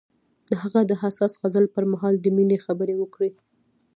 هغه د حساس غزل پر مهال د مینې خبرې وکړې.